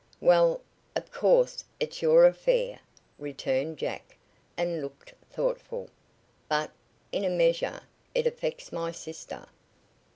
"Well, of course it's your affair," returned Jack and looked thoughtful, "but, in a measure, it affects my sister."